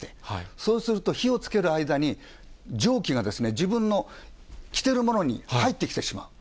そうすると、火をつける間に、蒸気が自分の着てるものに入ってきてしまう。